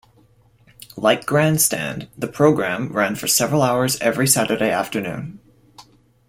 Like "Grandstand", the programme ran for several hours every Saturday afternoon.